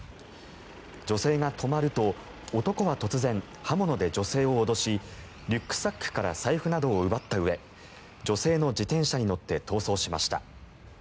女性が止まると男は突然、刃物で女性を脅しリュックサックから財布などを奪ったうえ女性の自転車に乗って逃走しました。